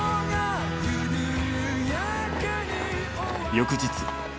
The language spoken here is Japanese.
翌日。